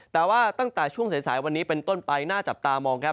แต่ว่าตั้งแต่ช่วงสายวันนี้เป็นต้นไปน่าจับตามองครับ